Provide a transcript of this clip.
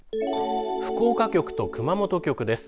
福岡局と熊本局です。